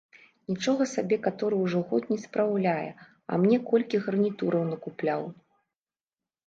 Нічога сабе каторы ўжо год не спраўляе, а мне колькі гарнітураў накупляў.